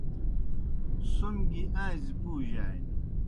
سُم گیْ آݩزی پُوجانیْ